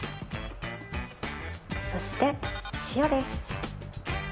そして塩です。